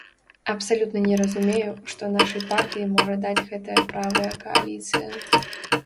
Абсалютна не разумею, што нашай партыі можа даць гэтая правая кааліцыя.